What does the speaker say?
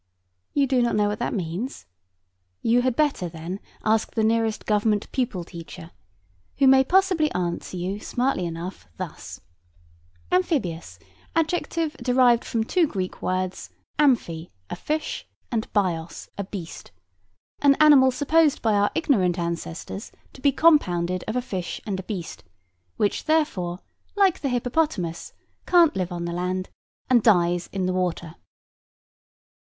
You do not know what that means? You had better, then, ask the nearest Government pupil teacher, who may possibly answer you smartly enough, thus— "Amphibious. Adjective, derived from two Greek words, amphi, a fish, and bios, a beast. An animal supposed by our ignorant ancestors to be compounded of a fish and a beast; which therefore, like the hippopotamus, can't live on the land, and dies in the water."